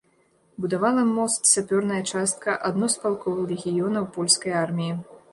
Будавала мост сапёрная частка адно з палкоў легіёнаў польскай арміі.